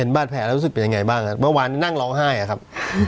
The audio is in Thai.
บาดแผลแล้วรู้สึกเป็นยังไงบ้างครับเมื่อวานนั่งร้องไห้อะครับ